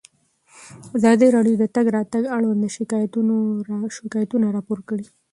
ازادي راډیو د د تګ راتګ ازادي اړوند شکایتونه راپور کړي.